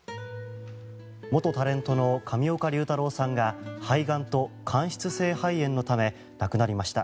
元タレントの上岡龍太郎さんが肺がんと間質性肺炎のため亡くなりました。